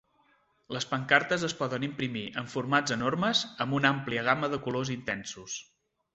Les pancartes es poden imprimir en formats enormes, amb una àmplia gamma de colors intensos.